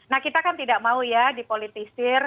nah kita kan tidak mau ya dipolitisir